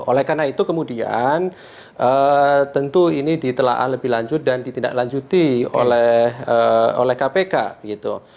oleh karena itu kemudian tentu ini ditelaah lebih lanjut dan ditindaklanjuti oleh kpk gitu